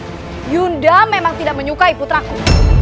huyunda memang tidak menyukai puteraku